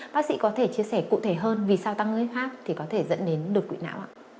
bác sĩ có thể chia sẻ cụ thể hơn vì sao tăng huyết áp thì có thể dẫn đến đột quỵ não ạ